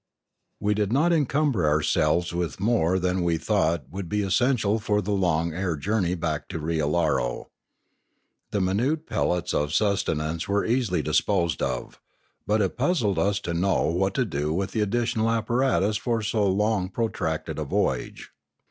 We did not encumber ourselves with more than we thought would be essential for the long air journey back to Riallaro. The minute pellets of sustenance were easily disposed of. But it puzzled us to know what to do with the additional apparatus for so pro tracted a voyage.